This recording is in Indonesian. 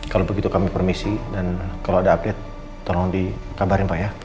kalau begitu kami permisi dan kalau ada update tolong dikabarin pak ya